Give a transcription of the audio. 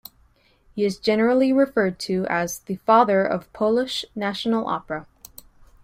He is generally referred to as "the father of Polish national opera".